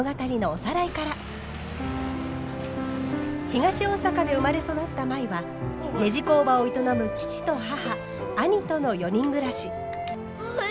東大阪で生まれ育った舞はねじ工場を営む父と母兄との４人暮らし。